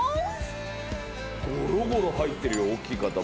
ゴロゴロ入ってるよ大きい塊。